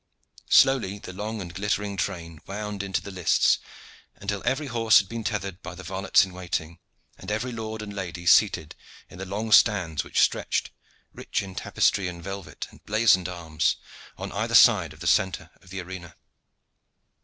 Slowly the long and glittering train wound into the lists, until every horse had been tethered by the varlets in waiting, and every lord and lady seated in the long stands which stretched, rich in tapestry and velvet and blazoned arms, on either side of the centre of the arena.